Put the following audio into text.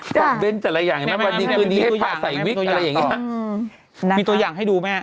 คอมเมนต์แต่ละอย่าง